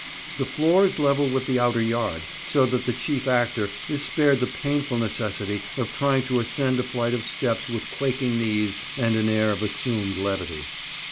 The floor is level with the outer yard, so that the chief actor is spared the painful necessity of trying to ascend a flight of steps with quaking knees and an air of assumed levity.